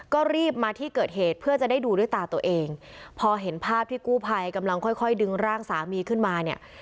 ก็รีบมาที่เกิดเหตุเพื่อจะได้ดูด้วยตาตัวเองพอเห็นภาพที่กู้ภัยกำลังค่อยค่อยดึงร่างสามีขึ้นมาเนี่ย